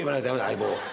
相棒？